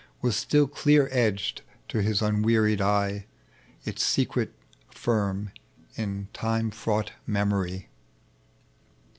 Was still clear edged to his unwearied eye, Its secret firm in time fraught memory.